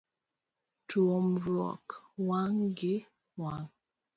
Tuomruok wang' gi wang'.